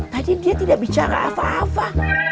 jadi dia tidak bicara apa apa